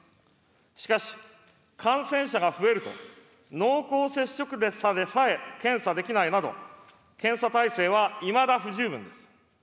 しかし、感染者が増えると、濃厚接触者でさえ検査できないなど、検査体制はいまだ不十分です。